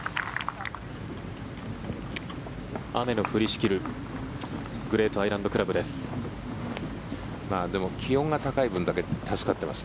雨の降りしきるグレートアイランド倶楽部です。